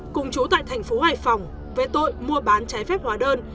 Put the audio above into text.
cùng chú tại thành phố hải phòng về tội mua bán trái phép hóa đơn